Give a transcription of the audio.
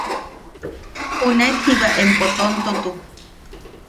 Junaet jiba empo tontotu.